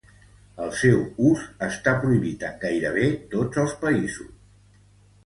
El seu ús està prohibit en gairebé tots els països.